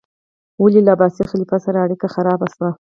ولې له عباسي خلیفه سره اړیکې خرابې شوې؟